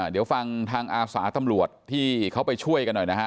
เดี๋ยวฟังทางอาสาตำรวจที่เขาไปช่วยกันหน่อยนะฮะ